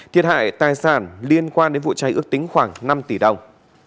thiệt hại tài sản liên quan đến vụ cháy ước tính khoảng năm tỷ đồng